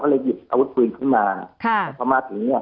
เลยหยิบอาวุธปืนขึ้นมาแต่พอมาถึงเนี้ย